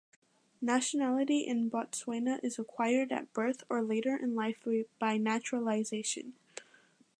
Nationality in Botswana is acquired at birth or later in life by naturalisation.